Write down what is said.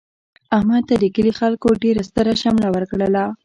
احمد ته د کلي خلکو د ډېر ستره شمله ورکړله.